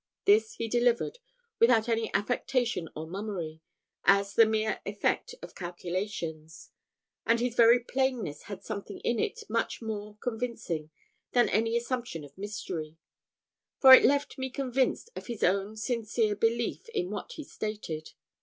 This he delivered without any affectation or mummery, as the mere effect of calculations; and his very plainness had something in it much more convincing than any assumption of mystery; for it left me convinced of his own sincere belief in what he stated.